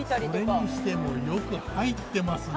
それにしてもよく入ってますね。